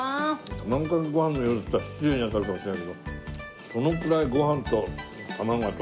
卵かけごはんのようって言ったら失礼に当たるかもしれないけどそのくらいごはんと卵が溶け合ってる。